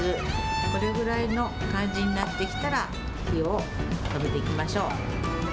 これぐらいの感じになってきたら、火を止めていきましょう。